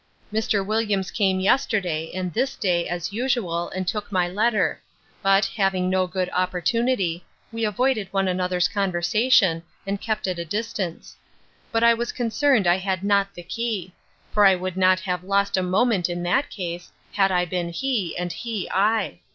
Mr. Williams came yesterday, and this day, as usual, and took my letter; but, having no good opportunity, we avoided one another's conversation, and kept at a distance: But I was concerned I had not the key; for I would not have lost a moment in that case, had I been he, and he I.